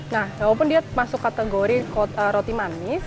nah walaupun dia masuk kategori roti manis